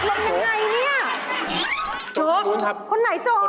เฮ่ยนี่มันค่ะเดี๋ยวก่อน